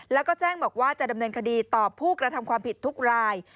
แล้วก็แจ้งบอกว่าจะดำเนินคดีต่อผู้กระทำความผิดทุกราย